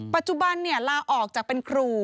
ปัจจุบันลาออกจากเป็นครู